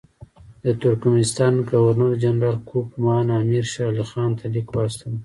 د ترکمنستان ګورنر جنرال کوفمان امیر شېر علي خان ته لیک واستاوه.